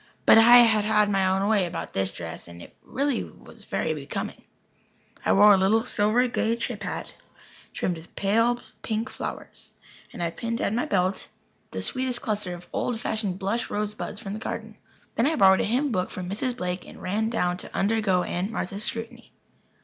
But I had had my own way about this dress and it is really very becoming. I wore a little silvery grey chip hat, trimmed with pale pink flowers, and I pinned at my belt the sweetest cluster of old fashioned blush rosebuds from the garden. Then I borrowed a hymn book from Mrs. Blake and ran down to undergo Aunt Martha's scrutiny.